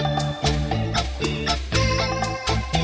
saya memang jangan mau kacau saya itu kinam sebagai bikin mereka merihet dalam